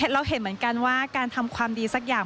เราเห็นเหมือนกันว่าการทำความดีสักอย่าง